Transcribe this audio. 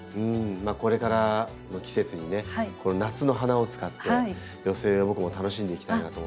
これからの季節にね夏の花を使って寄せ植えを僕も楽しんでいきたいなと思って。